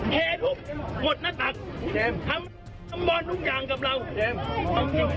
แชร์ทุกกดหน้าตักทำทำบอลทุกอย่างกับเราแจม